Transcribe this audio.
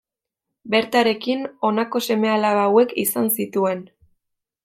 Bertarekin, honako seme-alaba hauek izan zituen.